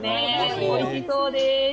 おいしそうです。